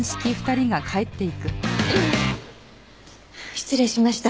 失礼しました。